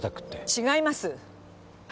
違います！